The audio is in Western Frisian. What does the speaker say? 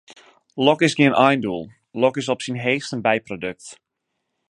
Lok is gjin eindoel, lok is op syn heechst in byprodukt.